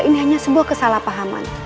ini hanya sebuah kesalahpahaman